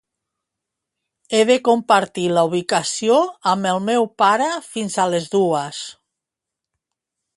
He de compartir la ubicació amb el meu pare fins a les dues.